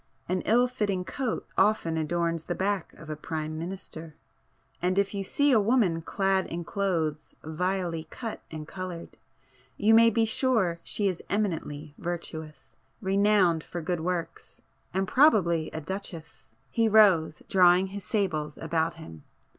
An ill fitting coat often adorns the back of a Prime Minister,—and if you see a woman clad in clothes vilely cut and coloured, you may be sure she is eminently virtuous, renowned for good works, and probably a duchess!" He rose, drawing his sables about him.